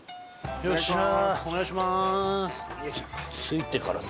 お願いします。